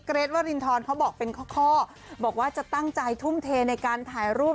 เกรทวรินทรเขาบอกเป็นข้อบอกว่าจะตั้งใจทุ่มเทในการถ่ายรูป